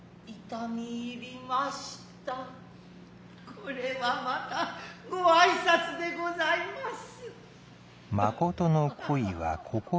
これは又御挨拶でございます。